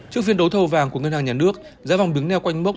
trước phiên đấu thầu vàng của ngân hàng nhà nước giá vòng đứng neo quanh mốc